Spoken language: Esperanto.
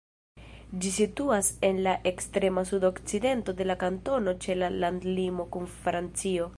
Ĝi situas en la ekstrema sudokcidento de la kantono ĉe la landlimo kun Francio.